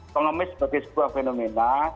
mengemis sebagai sebuah fenomena